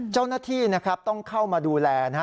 เจ้าหน้าที่ต้องเข้ามาดูแล